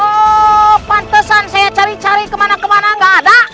oh pantesan saya cari cari kemana kemana gak ada